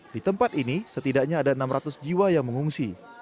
di tempat ini setidaknya ada enam ratus jiwa yang mengungsi